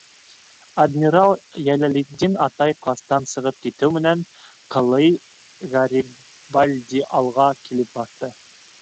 Адмирал Йәләлетдин атай кластан сығып китеү менән, ҡылый Гарибальди алға килеп баҫты: